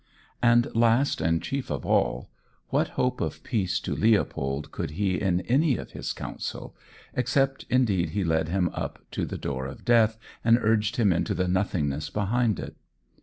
And last and chief of all, what hope of peace to Leopold could he in any of his counsel except indeed he led him up to the door of death, and urged him into the nothingness behind it?